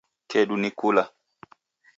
Kedu ni kula